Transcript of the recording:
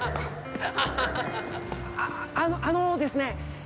あのあのですね